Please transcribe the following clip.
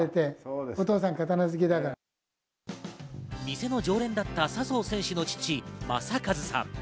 店の常連だった笹生選手の父・正和さん。